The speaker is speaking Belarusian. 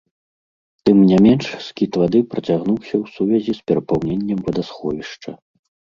Тым не менш, скід вады працягнуўся ў сувязі з перапаўненнем вадасховішча.